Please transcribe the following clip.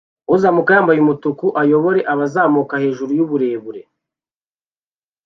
Uzamuka yambaye umutuku ayoboye abazamuka hejuru yuburebure